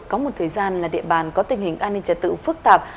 có một thời gian là địa bàn có tình hình an ninh trật tự phức tạp